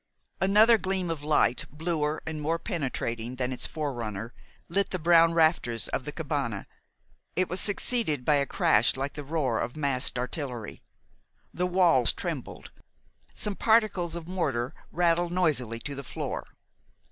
Another gleam of light, bluer and more penetrating than its forerunner, lit the brown rafters of the cabane. It was succeeded by a crash like the roar of massed artillery. The walls trembled. Some particles of mortar rattled noisily to the floor.